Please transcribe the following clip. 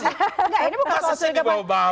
enggak ini bukan soal curiga bang